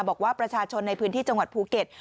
บอกว่าประชาชนในพื้นที่จังหวัดภูเก็ต